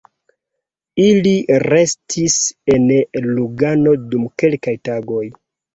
Ili restis en Lugano dum kelkaj tagoj.